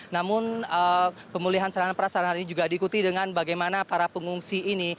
namun pemulihan sarana perasana ini juga diikuti dengan bagaimana para pengungsi ini